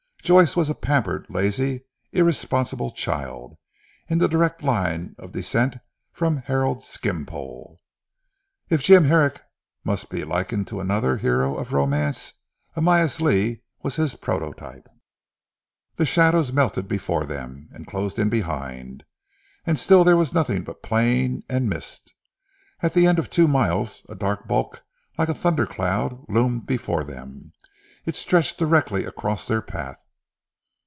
Joyce was a pampered, lazy, irresponsible child, in the direct line of descent from Harold Skimpole. If Jim Herrick must be likened to another hero of romance, Amyas Leigh was his prototype. The shadows melted before them, and closed in behind, and still there was nothing but plain and mist. At the end of two miles a dark bulk like a thunder cloud, loomed before them. It stretched directly across their path.